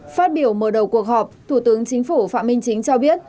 phát biểu mở đầu cuộc họp thủ tướng chính phủ phạm minh chính cho biết